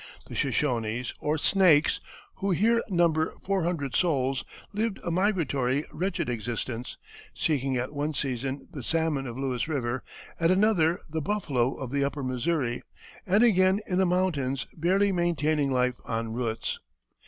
The Shoshones, or Snakes, who here number four hundred souls, lived a migratory, wretched existence, seeking at one season the salmon of Lewis River, at another the buffalo of the upper Missouri, and again in the mountains barely maintaining life on roots.